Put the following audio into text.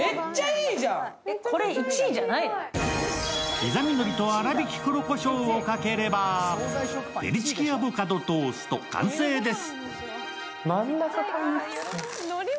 きざみのりと粗びき黒こしょうをかければ、照りチキアボカドトースト完成です。